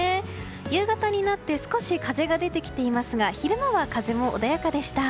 夕方になって少し風が出てきていますが昼間は風も穏やかでした。